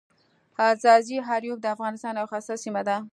ځاځي اریوب دافغانستان یوه ښایسته سیمه ده.